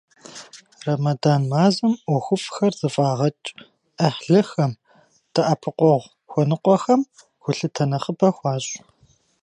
Рэмэдан мазэм ӀуэхуфӀхэр зэфӀагъэкӀ, Ӏыхьлыхэм, дэӀэпыкъуэгъу хуэныкъуэхэм гулъытэ нэхъыбэ хуащӀ.